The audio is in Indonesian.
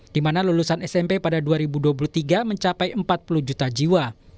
di mana lulusan smp pada dua ribu dua puluh tiga mencapai empat puluh juta jiwa